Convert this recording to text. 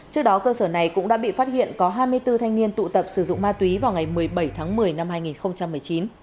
trước đó cơ sở này cũng đã bị phát hiện có hai mươi bốn thanh niên tụ tập sử dụng ma túy vào ngày một mươi bảy tháng một mươi năm hai nghìn một mươi chín